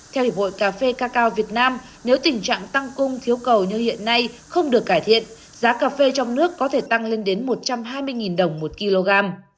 theo hiệp hội cà phê cà cao việt nam nếu tình trạng tăng cung thiếu cầu như hiện nay không được cải thiện giá cà phê trong nước có thể tăng lên đến một trăm hai mươi đồng một kg